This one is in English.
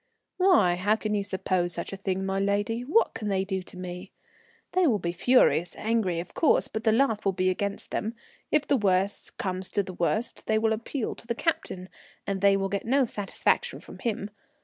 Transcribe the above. "Why, how can you suppose such a thing, my lady? What can they do to me? They will be furiously angry, of course, but the laugh will be against them. If the worst comes to the worst they will appeal to the captain, and they will get no satisfaction from him.